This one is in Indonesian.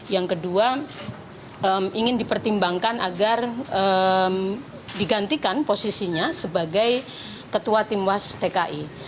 yang kedua ingin dipertimbangkan agar digantikan posisinya sebagai ketua tim was tki